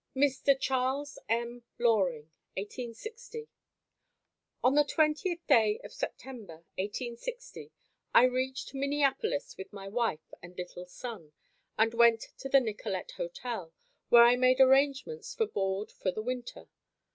Mr. Charles M. Loring 1860. On the 20th day of September 1860, I reached Minneapolis with my wife and little son, and went to the Nicollet Hotel where I made arrangements for board for the winter.